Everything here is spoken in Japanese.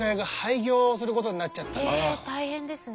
え大変ですね。